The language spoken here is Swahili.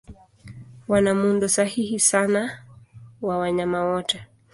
Wana muundo sahili sana wa wanyama wote.